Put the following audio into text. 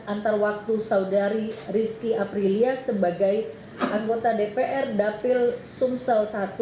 antar waktu saudari rizky aprilia sebagai anggota dpr dapil sumsel i